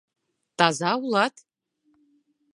— Таза улат?